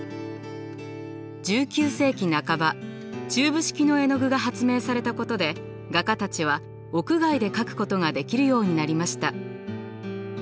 １９世紀半ばチューブ式の絵の具が発明されたことで画家たちは屋外で描くことができるようになりました。